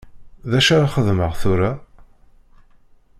D acu ara xedmeɣ tura?